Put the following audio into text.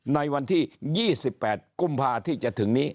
ในวันที่๒๘กุมภาที่จะถึงนี้